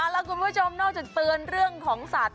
แล้วคุณผู้ชมนอกจากเตือนเรื่องของสัตว